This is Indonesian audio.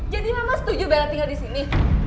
hah jadi mama setuju bella tinggal disini